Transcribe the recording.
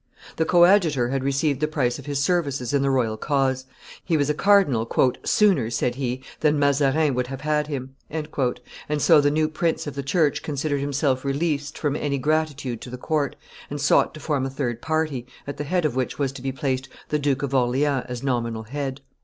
The coadjutor had received the price of his services in the royal cause; he was a cardinal "sooner," said he, "than Mazarias would have had him;" and so the new prince of the church considered himself released from any gratitude to the court, and sought to form a third party, at the head of which was to be placed the Duke of Orleans as nominal head.